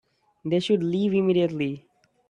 They should leave immediately.